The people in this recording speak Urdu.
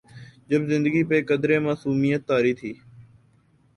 جب زندگی پہ قدرے معصومیت طاری تھی۔